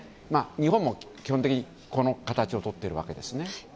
日本も基本的にこの形をとっているわけですね。